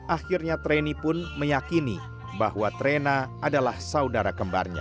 akhirnya treni pun meyakini bahwa trena adalah saudara kembarnya